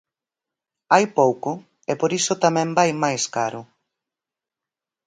Hai pouco, e por iso tamén vai máis caro.